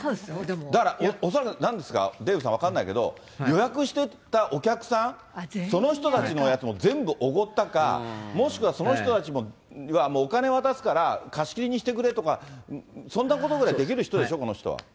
だから恐らく、なんですか、デーブさん、分かんないけど予約していったお客さん、その人たちのやつも全部おごったか、もしくはその人たちにはお金渡すから貸し切りにしてくれとか、そんなことぐらいできる人でしょ、この人は。